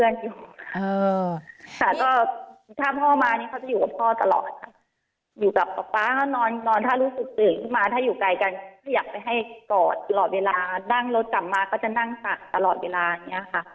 แต่ก็ถ้าพ่อมาเนี่ยเขาจะอยู่กับพ่อตลอดค่ะอยู่กับป๊าป๊าก็นอนถ้ารู้สึกตื่นขึ้นมาถ้าอยู่ไกลกันก็อยากไปให้กอดตลอดเวลานั่งรถกลับมาก็จะนั่งตักตลอดเวลาอย่างนี้ค่ะ